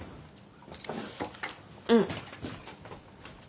うん。